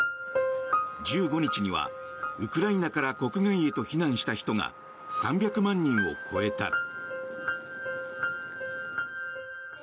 １５日にはウクライナから国外へと避難した人が３００万人を超えた。